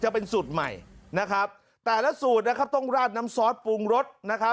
จะเป็นสูตรใหม่แต่ละสูตรต้องระจน้ำซอสปรุงรส